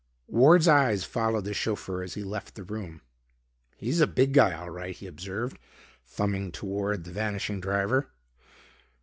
Ward's eyes followed the chauffeur as he left the room. "He's a big guy all right," he observed, thumbing toward the vanishing driver.